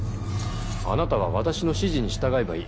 あなたは私の指示に従えばいい。